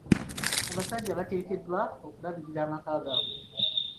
Abasajja bateekeddwa okulabirira amaka gaabwe.